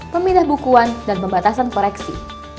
pemindah bukuan dan pembatasan koreksi